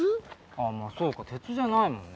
まあそうか鉄じゃないもんね